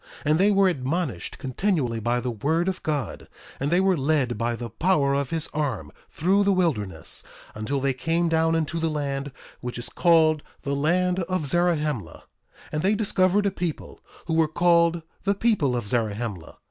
And they were admonished continually by the word of God; and they were led by the power of his arm, through the wilderness, until they came down into the land which is called the land of Zarahemla. 1:14 And they discovered a people, who were called the people of Zarahemla.